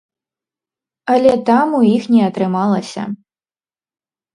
Але там у іх не атрымалася.